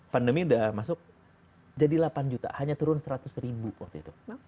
dua ribu dua puluh pandemi udah masuk jadi delapan juta hanya turun seratus ribu waktu itu